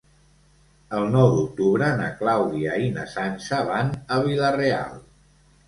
El nou d'octubre na Clàudia i na Sança van a Vila-real.